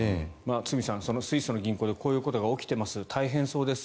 堤さん、スイスの銀行でこういうことが起きています大変そうです。